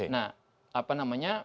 nah apa namanya